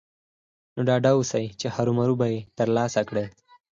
نو ډاډه اوسئ چې هرو مرو به يې ترلاسه کړئ.